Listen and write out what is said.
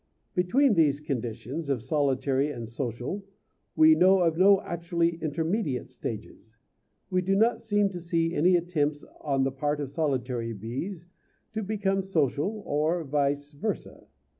Between these conditions of solitary and social we know of no actually intermediate stages. We do not seem to see any attempts on the part of solitary bees to become social or vice versâ.